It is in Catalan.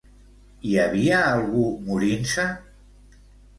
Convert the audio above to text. Hi havia algú morint-se?